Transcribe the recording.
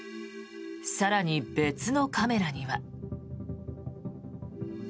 更に別のカメラには。